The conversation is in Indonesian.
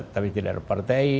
tapi tidak ada partai